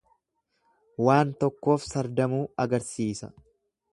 Waan tokkoof sardamuu agarsiisa.